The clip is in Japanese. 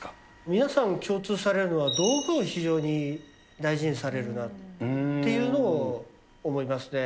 皆さん共通されるのは道具を非常に大事にされるなっていうのを思いますね。